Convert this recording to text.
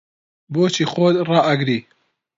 بۆچی خۆت ڕائەگری؟